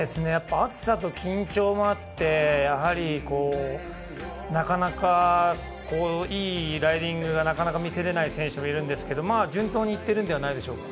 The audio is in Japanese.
暑さと緊張もあって、なかなか、いいライディングが見せられない選手がいるんですが、でも、順当にいっているのではないでしょうか。